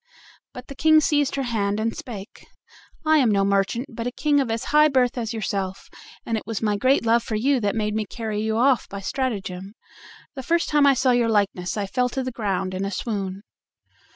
But the King seized her hand and spake: "I am no merchant, but a king of as high birth as yourself; and it was my great love for you that made me carry you off by stratagem. The first time I saw your likeness I fell to the ground in a swoon."